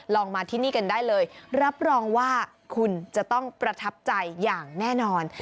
มาที่นี่กันได้เลยรับรองว่าคุณจะต้องประทับใจอย่างแน่นอน